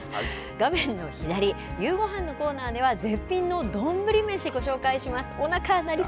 画面の左、ゆう５飯のコーナーでは、丼飯、ご紹介します。